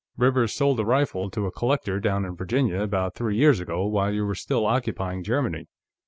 "Rivers sold a rifle to a collector down in Virginia, about three years ago, while you were still occupying Germany.